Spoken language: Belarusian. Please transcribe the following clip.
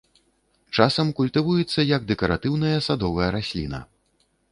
Часам культывуецца як дэкаратыўная садовая расліна.